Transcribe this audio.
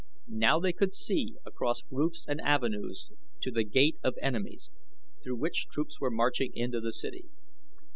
Now they could see across roofs and avenues to The Gate of Enemies, through which troops were marching into the city.